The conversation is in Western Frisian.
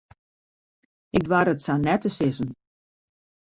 Ik doar it sa net te sizzen.